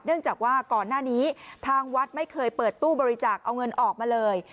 จากว่าก่อนหน้านี้ทางวัดไม่เคยเปิดตู้บริจาคเอาเงินออกมาเลย